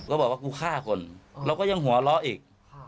บอกว่ากูฆ่าคนเราก็ยังหัวเราะอีก